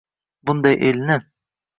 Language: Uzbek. Bunday elni